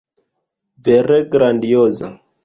Vere grandioza!